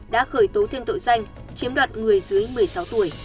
đã khởi tố thêm tội danh chiếm đoạt người dưới một mươi sáu tuổi